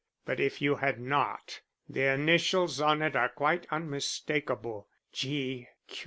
But if you had not, the initials on it are unmistakable, G.